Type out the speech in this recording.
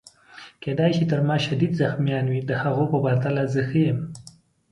کیدای شي تر ما شدید زخمیان وي، د هغو په پرتله زه ښه یم.